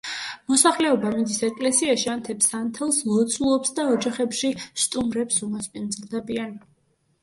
მოსახლეობა მიდის ეკლესიაში, ანთებს სანთელს, ლოცულობს და ოჯახებში სტუმრებს უმასპინძლდებიან.